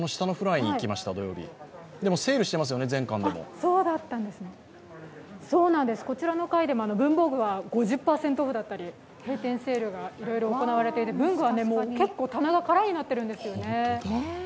でも、全館でもセールしてますよねこちらの階でも文房具は５０％オフだったり閉店セールがいろいろ行われていて文具は棚が空になっているんですよね。